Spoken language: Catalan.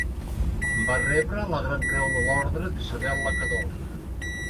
Va rebre la gran creu de l'Orde d'Isabel la Catòlica.